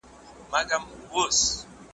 همېش د نورو ترمینځ د غلط فهمیو د لیری کولو څخه